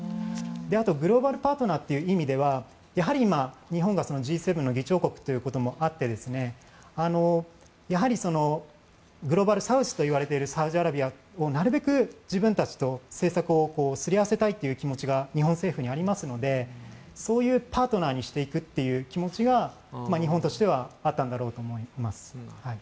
あとグローバル・パートナーという意味では日本がＧ７の議長国ということもあってやはりグローバルサウスといわれているサウジアラビアをなるべく自分たちと政策をすり合わせたいという気持ちが日本政府にありますのでそういうパートナーにしていくという気持ちが日本としてあったんだろうと思います。